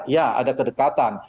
ya ada kedekatan